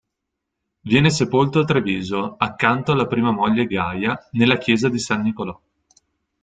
Viene sepolto a Treviso, accanto alla prima moglie Gaia, nella chiesa di San Nicolò.